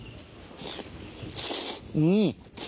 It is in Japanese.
うん。